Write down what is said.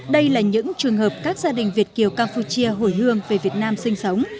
đây là những trường hợp các gia đình việt kiều campuchia hồi hương về việt nam sinh sống